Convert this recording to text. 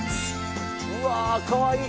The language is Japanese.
うわあかわいい！